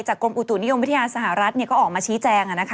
กรมอุตุนิยมวิทยาสหรัฐก็ออกมาชี้แจง